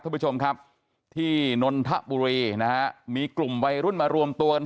ท่านผู้ชมครับที่นนทบุรีนะฮะมีกลุ่มวัยรุ่นมารวมตัวกัน